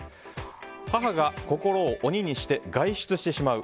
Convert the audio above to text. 母が心を鬼にして外出してしまう。